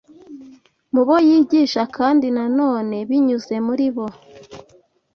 mu bo yigisha kandi na none binyuze muri bo,